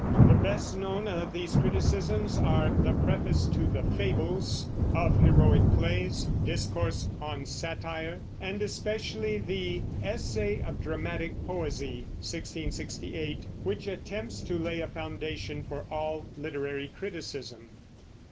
The best known of these criticisms are the preface to the Fables, "Of Heroic Plays," "Discourse on Satire," and especially the "Essay of Dramatic Poesy" (1668), which attempts to lay a foundation for all literary criticism.